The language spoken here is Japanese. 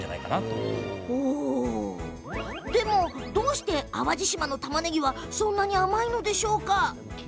なぜ、淡路島のたまねぎはそんなに甘いんでしょうか？